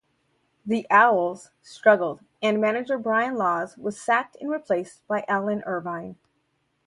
The "Owls" struggled, and manager Brian Laws was sacked and replaced by Alan Irvine.